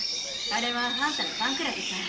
あれはあんたのファンクラブさ。